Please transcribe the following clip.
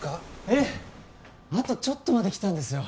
えっあとちょっとまできたんですよ